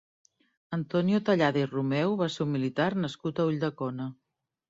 Antonio Tallada i Romeu va ser un militar nascut a Ulldecona.